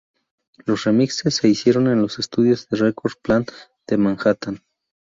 Los remixes se hicieron en los estudios de Record Plant de Manhattan.